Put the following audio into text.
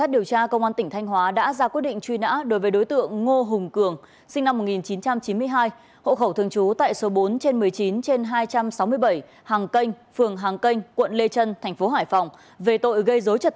về tội gây dối trật tự công cộng